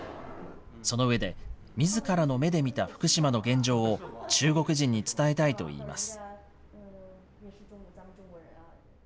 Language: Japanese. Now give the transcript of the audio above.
その上で、みずからの目で見た福島の現状を中国人に伝えたいといいます。